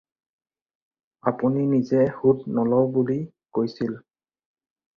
আপুনি নিজে সুত নলওঁ বুলি কৈছিল।